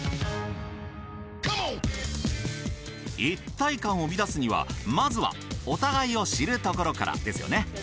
一体感を生み出すにはまずはお互いを知るところから。ですよね？